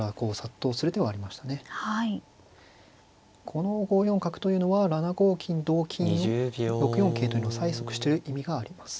この５四角というのは７五金同金に６四桂というのを催促してる意味があります。